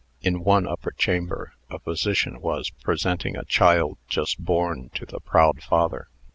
In one upper chamber, a physician was presenting a child just born to the proud father.